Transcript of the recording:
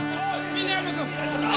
峰山君！